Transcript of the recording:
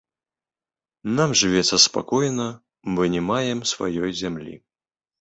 Нам жывецца спакойна, бо не маем сваёй зямлі.